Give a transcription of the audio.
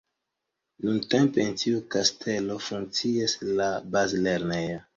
Nuntempe en tiu kastelo funkcias la bazlernejo.